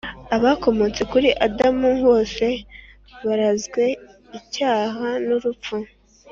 Abakomotse kuri Adamu bose barazwe icyaha n urupfu